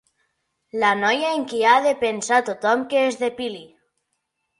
La noia en qui ha de pensar tothom que es depili.